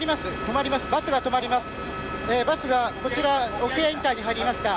バスが奥屋インターに入りました。